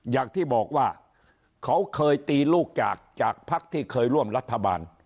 อย่างที่บอกว่าเขาเคยตีลูกจากจากภักดิ์ที่เคยร่วมรัฐบาล